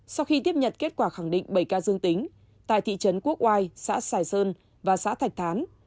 sau khi tiếp nhận kết quả khẳng định bảy ca dương tính tại thị trấn quốc oai xã sài sơn và xã thạch thán